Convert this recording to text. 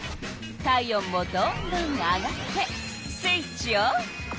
体温もどんどん上がってスイッチオン！